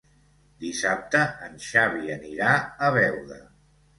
Dissabte en Xavi anirà a Beuda.